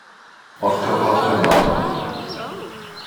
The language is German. Ottawa Senators